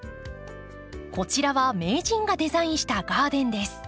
こちらは名人がデザインしたガーデンです。